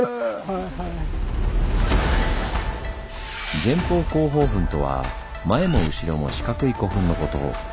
前方後方墳とは前も後ろも四角い古墳のこと。